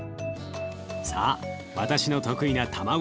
さあ私の得意な卵焼き。